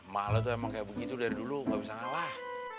malah tuh emang kayak begitu dari dulu gak bisa ngalah